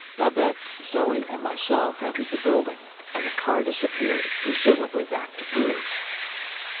Babette, Zoe and myself entered the building, and the car disappeared, presumably back to Bruges.